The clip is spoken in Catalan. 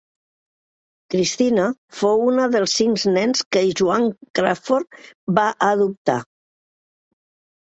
Christina fou una dels cinc nens que Joan Crawford va adoptar.